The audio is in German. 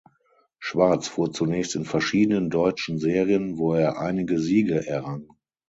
Schwarz fuhr zunächst in verschiedenen deutschen Serien, wo er einige Siege errang.